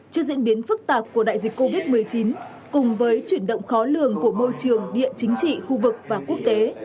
trước diễn biến phức tạp của đại dịch covid một mươi chín cùng với chuyển động khó lường của môi trường địa chính trị khu vực và quốc tế